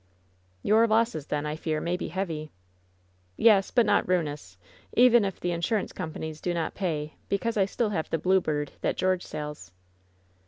"Your losses, then, I fear, may be heavy." "Yes, but not ruinous, even if the insurance compa nies do not pay, because I have still the Blite Bird that George sails."